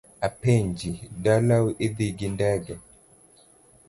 Apenji, dalau idhi gi ndege?